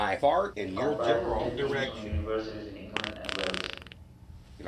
It comprises ten teams from universities in England and Wales.